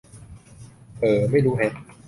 เอ่อ ไม่รู้แฮะ